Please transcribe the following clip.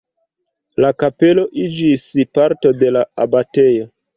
La kapelo iĝis parto de la abatejo.